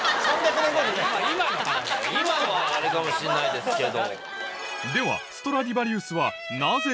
今はあれかもしれないですけど。